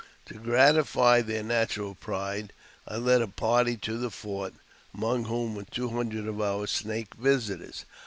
To gratify their natural pride, I led a party to the fort, among whom were two hundred of our Snake visitors.